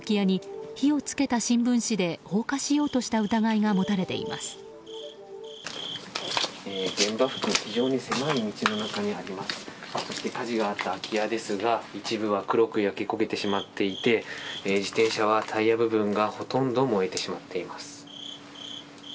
そして火事があった空き家ですが一部は黒く焼け焦げていて自転車はタイヤ部分がほとんど燃えてしまっています。